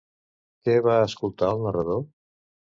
Què va escoltar el narrador?